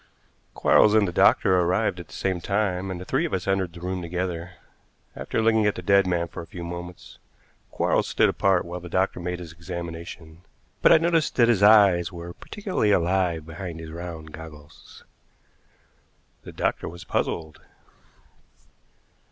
Quarles and the doctor arrived at the same time, and the three of us entered the room together. After looking at the dead man for a few moments, Quarles stood apart while the doctor made his examination, but I noticed that his eyes were particularly alive behind his round goggles. The doctor was puzzled.